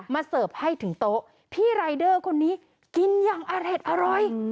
เสิร์ฟให้ถึงโต๊ะพี่รายเดอร์คนนี้กินอย่างอร่อย